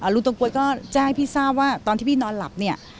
ลุงตะก๊วยก็แจ้งให้พี่ทราบว่าตอนที่พี่นอนหลับเนี่ย